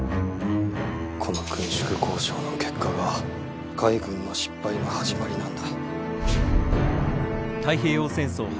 この軍縮交渉の結果が海軍の失敗の始まりなんだ。